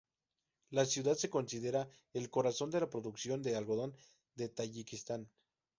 La ciudad se considera el corazón de la producción de algodón de Tayikistán.